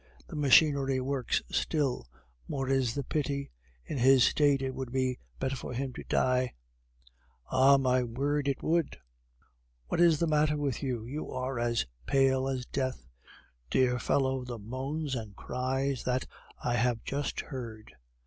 "The machinery works still; more is the pity, in his state it would be better for him to die." "Ah! my word, it would!" "What is the matter with you? You are as pale as death." "Dear fellow, the moans and cries that I have just heard....